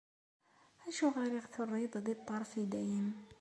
Acuɣer i aɣ-terriḍ di ṭṭerf i dayem?